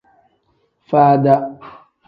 Faada.